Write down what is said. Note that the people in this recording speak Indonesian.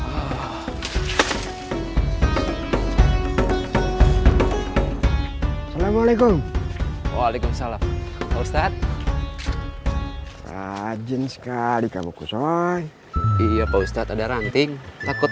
assalamualaikum waalaikumsalam ustadz rajin sekali kamu kusuma iya pak ustadz ada ranting takut